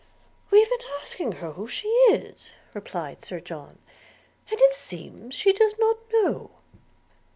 'We've been asking her who she is,' replied Sir John; 'and it seems she does not know.'